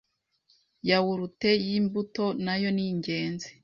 Yawurute y’imbuto nayo ningezi